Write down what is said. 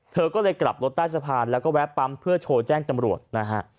เธอก็เลยกลับรถใต้สะพานแล้วก็แวะปั๊มเพื่อโชว์แจ้งตำรวจนะฮะ